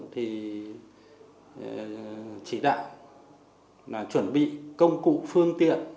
thì chỉ đạo là chuẩn bị công cụ phương tiện